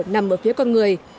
nằm ở phía con người